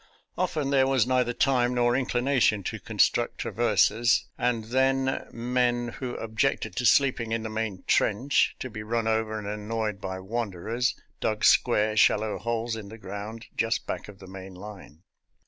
Often there was neither time nor inclina tion to construct traverses, and then men FUN IN THE TRENCHES 245 who objected to sleeping in the main trench, to be run over and annoyed by wanderers, dug square, shallow holes in the ground just back of the main line.